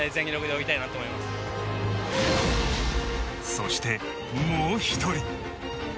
そして、もう１人。